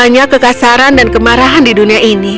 ada banyak kekasaran dan kemarahan di dunia ini